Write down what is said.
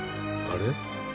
［あれ？